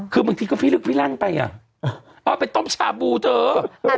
คือบางทีก็พี่ลึกพี่ลั่นไปอ่ะเอาไปต้มชาบูเถอะ